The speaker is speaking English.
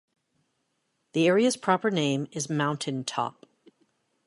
The area's proper name is Mountain Top.